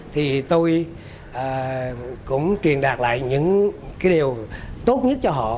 thì tôi cũng truyền đạt lại những cái điều tốt nhất cho họ